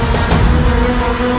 kau masih perlu